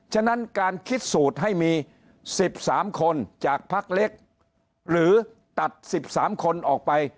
ฉะนั้นการคิดสูตรให้มีสิบสามคนจากภักดิ์เล็กหรือตัดสิบสามคนออกไป